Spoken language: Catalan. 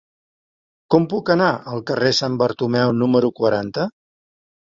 Com puc anar al carrer de Sant Bartomeu número quaranta?